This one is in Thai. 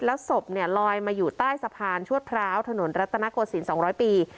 แล้วสบเนี่ยลอยมาอยู่ใต้สะพานชวทพร้าวถนนรัตนักห์กดศิลป์สองร้อยปี